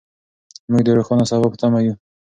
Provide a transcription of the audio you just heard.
موږ د روښانه سبا په تمه یو.